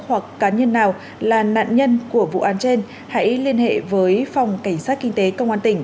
hoặc cá nhân nào là nạn nhân của vụ án trên hãy liên hệ với phòng cảnh sát kinh tế công an tỉnh